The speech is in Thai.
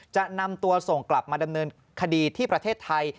จะนำตัวส่งกลับมาดำเนินคดีที่ประเทศไทย